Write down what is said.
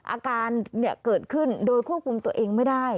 อาการเกิดขึ้นโดยควบคุมตัวเองไม่ได้